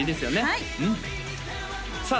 はいさあ